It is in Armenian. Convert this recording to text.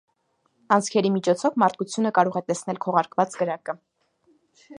Անցքերի միջով մարդկությունը կարող է տեսնել քողարկված կրակը։